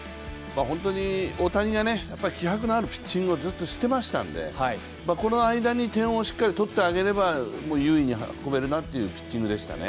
本当に大谷が気迫のあるピッチングをずっとしてましたのでこの間に点をしっかり取ってあげれば優位に運べるピッチングでしたね。